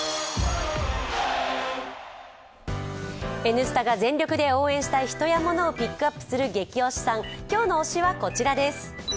「Ｎスタ」が全力で応援したい人やものをピックアップする「ゲキ推しさん」、今日の推しはこちらです。